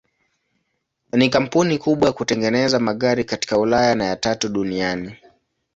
Ni kampuni kubwa ya kutengeneza magari katika Ulaya na ya tatu duniani.